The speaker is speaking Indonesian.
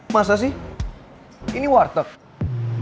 masa sih ini warteg